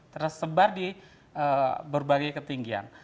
tersebar di berbagai ketinggian